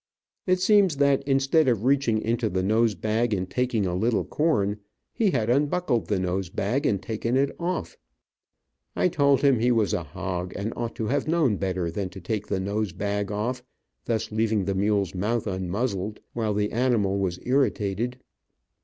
It seems that instead of reaching into the nose bag, and taking a little corn, he had unbuckled the nose bag and taken it off. I told him he was a hog, and ought to have known better than take the nose bag off, thus leaving the mule's mouth unmuzzled, while the animal was irritated.